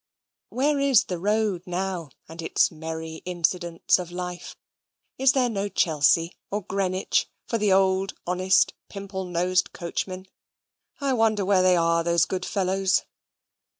Where is the road now, and its merry incidents of life? Is there no Chelsea or Greenwich for the old honest pimple nosed coachmen? I wonder where are they, those good fellows?